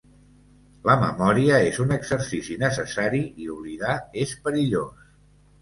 La memòria és un exercici necessari i oblidar és perillós.